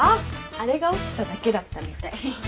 あれが落ちただけだったみたい。